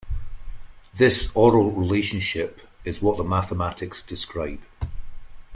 This aural relationship is what the mathematics describe.